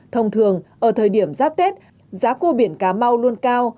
thông thường ở thời điểm giáp tết giá cua biển cà mau luôn cao